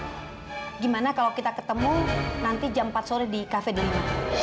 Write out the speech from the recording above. bagaimana kalau kita ketemu nanti jam empat sore di cafe delima